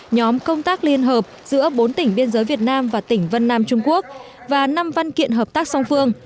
nhóm công tác liên hợp giữa bốn tỉnh biên giới việt nam và tỉnh vân nam trung quốc và năm văn kiện hợp tác song phương